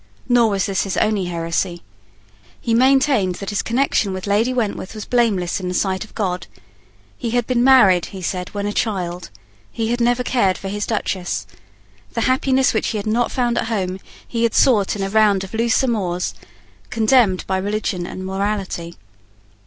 Nor was this his only heresy. He maintained that his connection with Lady Wentworth was blameless in the sight of God. He had been married, he said, when a child. He had never cared for his Duchess. The happiness which he had not found at home he had sought in a round of loose amours, condemned by religion and morality.